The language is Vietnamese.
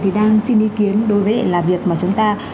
thì đang xin ý kiến đối với là việc mà chúng ta